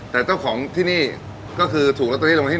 แต่เจ้าของที่นี่ก็คือถูกลอตเตอรี่ลงที่๑